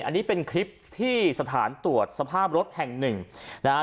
อันนี้เป็นคลิปที่สถานตรวจสภาพรถแห่งหนึ่งนะฮะ